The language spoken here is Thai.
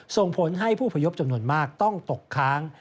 ส่งผลให้ผู้พยพจำนวนมากต้องตกค้าง